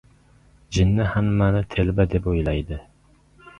• Jinni hammani telba deb o‘ylaydi.